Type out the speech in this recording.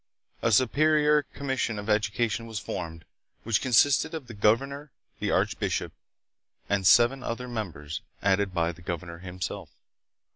A superior commis sion of education was formed, which consisted of the gov ernor, the archbishop, and seven other members added by the governor himself.